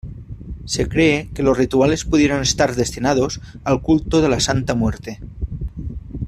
Se cree que los rituales pudieron estar destinados al culto de la Santa Muerte.